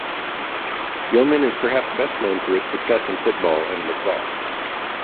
Gilman is perhaps best known for its success in football and lacrosse.